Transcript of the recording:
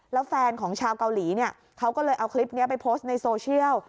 แล้วแฟนของชาวเกาหลีเนี่ยเขาก็เลยเอาคลิปนี้ไปโพสต์ในโซเชียล